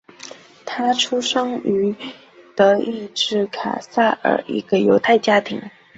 他出生于德意志卡塞尔一个犹太家庭。